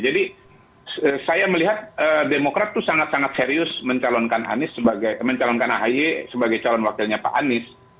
jadi saya melihat demokrat itu sangat sangat serius mencalonkan ahy sebagai calon wakilnya pak anies